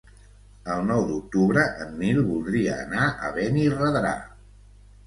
El nou d'octubre en Nil voldria anar a Benirredrà.